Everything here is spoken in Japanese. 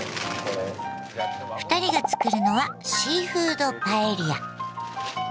二人が作るのはシーフードパエリア。